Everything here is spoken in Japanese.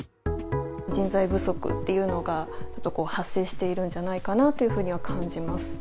人材不足っていうのがちょっと発生しているんじゃないかなというふうには感じます。